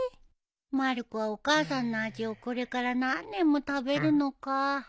まる子はお母さんの味をこれから何年も食べるのかあ。